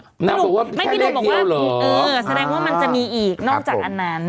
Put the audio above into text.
พี่หนุ่มบอกว่าแสดงว่ามันจะมีอีกนอกจากอันนั้น